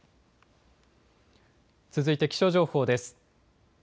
続いて気象情報です。